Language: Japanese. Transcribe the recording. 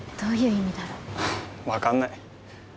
分かんない。